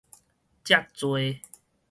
遮濟